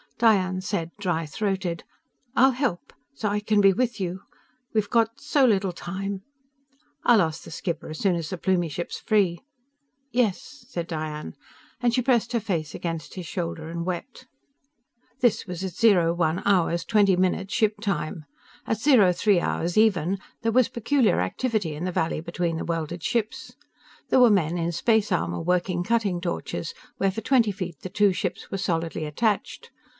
Diane said, dry throated: "I'll help. So I can be with you. We've got so little time." "I'll ask the skipper as soon as the Plumie ship's free." "Y yes," said Diane. And she pressed her face against his shoulder, and wept. This was at 01 hours, 20 minutes ship time. At 03 hours even, there was peculiar activity in the valley between the welded ships. There were men in space armor working cutting torches where for twenty feet the two ships were solidly attached.